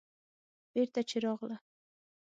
بېرته چې راغله.